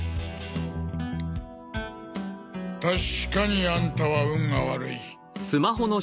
たしかにあんたは運が悪い。